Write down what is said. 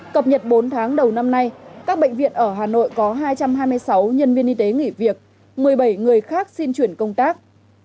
cập nhật bốn tháng đầu năm nay các bệnh viện ở hà nội có hai trăm hai mươi sáu nhân viên y tế nghỉ việc một mươi bảy người khác xin chuyển công tác